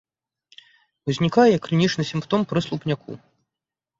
Узнікае як клінічны сімптом пры слупняку.